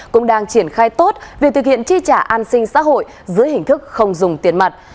cũng đang triển khai tốt việc thực hiện chi trả an sinh xã hội dưới hình thức không dùng tiền mặt